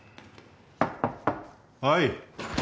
・はい。